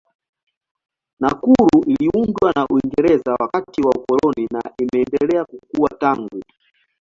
Nakuru iliundwa na Uingereza wakati wa ukoloni na imeendelea kukua tangu.